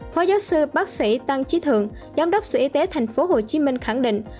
phó giáo sư bác sĩ tăng trí thượng giám đốc sở y tế tp hcm khẳng định